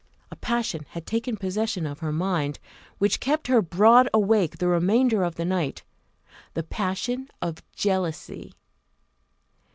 A passion had taken possession of her mind, which kept her broad awake the remainder of the night the passion of jealousy.